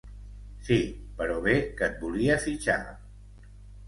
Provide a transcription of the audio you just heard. Sí, però bé que et volia fitxar.